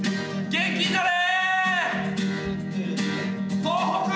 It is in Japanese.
元気になれ！